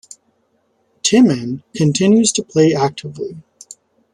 Timman continues to play actively.